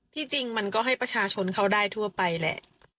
จริงมันก็ให้ประชาชนเขาได้ทั่วไปแหละ